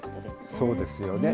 そうですよね。